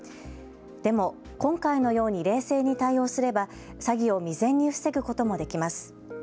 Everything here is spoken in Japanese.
でも今回のように冷静に対応すれば詐欺を未然に防ぐこともできます。